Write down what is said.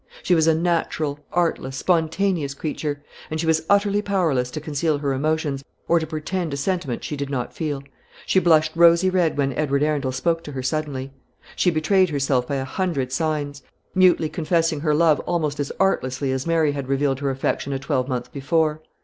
She was a natural, artless, spontaneous creature; and she was utterly powerless to conceal her emotions, or to pretend a sentiment she did not feel. She blushed rosy red when Edward Arundel spoke to her suddenly. She betrayed herself by a hundred signs; mutely confessing her love almost as artlessly as Mary had revealed her affection a twelvemonth before.